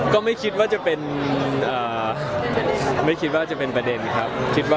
ก็ไม่คิดว่าจะเป็นประเด็นครับ